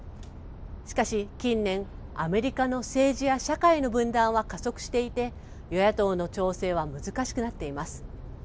しかし近年アメリカの政治や社会の分断は加速していて、与野党の調整は難しくなっています。